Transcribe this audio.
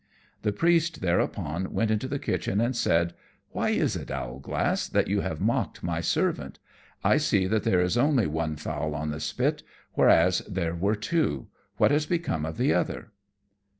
The Priest thereupon went into the kitchen, and said, "Why is it, Owlglass, that you have mocked my servant? I see that there is only one fowl on the spit, whereas there were two; what has become of the other?"